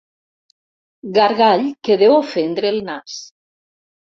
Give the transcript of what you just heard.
Gargall que deu ofendre el nas.